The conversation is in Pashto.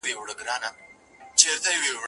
اسمان راڅخه اخلي امتحان څه به کوو؟